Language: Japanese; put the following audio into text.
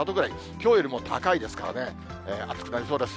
きょうよりも高いですからね、暑くなりそうです。